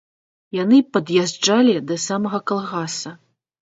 Яны пад'язджалі да самага калгаса.